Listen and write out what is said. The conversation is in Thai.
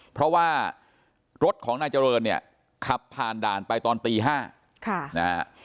เพราะว่ารถของนายเจริญเนี่ยขับผ่านด่านไปตอนตี๕ค่ะนะฮะ